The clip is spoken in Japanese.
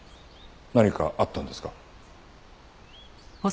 何かあったんですか？